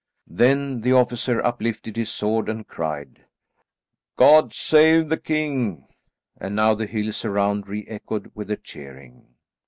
Then the officer uplifted his sword and cried, "God save the king;" and now the hills around re echoed with the cheering.